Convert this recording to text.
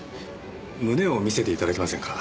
胸を見せていただけませんか？